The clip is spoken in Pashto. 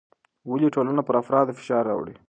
ولې ټولنه پر افرادو فشار راوړي؟